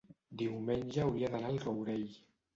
diumenge hauria d'anar al Rourell.